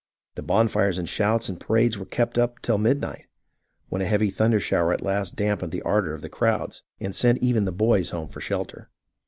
The bonfires and shouts and parades were kept up till midnight, when a heavy thunder shower at last dampened the ardour of the crowds, and sent even the boys home for shelter.